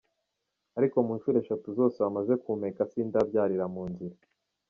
Ariko mu nshuro eshatu zose bamaze kumpeka sindabyarira mu nzira.